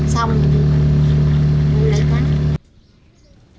không lấy phát